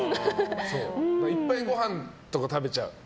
いっぱいごはんとか食べちゃう。